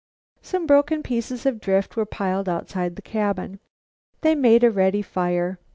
Some broken pieces of drift were piled outside the cabin. These made a ready fire.